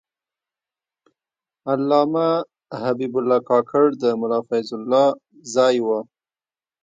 علامه حبیب الله کاکړ د ملا فیض الله زوی و.